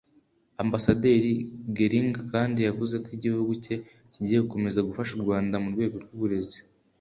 Ambasaderi Gelling kandi yavuze ko igihugu cye kigiye gukomeza gufasha u Rwanda mu rwego rw’uburezi